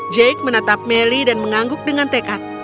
jake menetap melly dan mengangguk dengan tekad